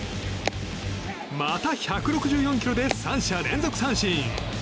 また１６４キロで３者連続三振。